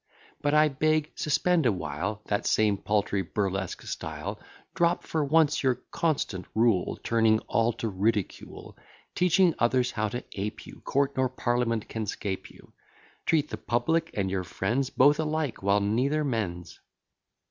But, I beg, suspend a while That same paltry, burlesque style; Drop for once your constant rule, Turning all to ridicule; Teaching others how to ape you; Court nor parliament can 'scape you; Treat the public and your friends Both alike, while neither mends.